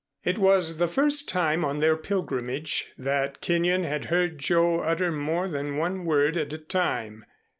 It was the first time on their pilgrimage that Kenyon had heard Joe utter more than one word at a time.